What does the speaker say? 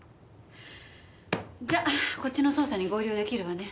じゃあこっちの捜査に合流出来るわね。